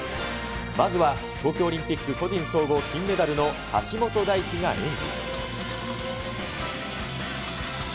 まずは東京オリンピック個人総合金メダルの橋本大輝が演技。